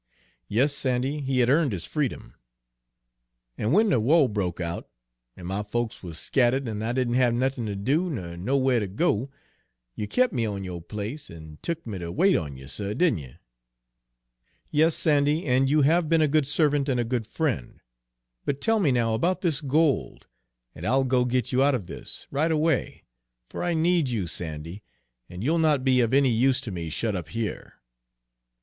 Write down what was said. "Yes, Sandy, he had earned his freedom." "An' w'en de wah broke out, an' my folks wuz scattered, an' I didn' have nothin' ter do ner nowhar ter go, you kep' me on yo' place, and tuck me ter wait on you, suh, didn't you?" "Yes, Sandy, and you have been a good servant and a good friend; but tell me now about this gold, and I'll go and get you out of this, right away, for I need you, Sandy, and you'll not be of any use to me shut up here!"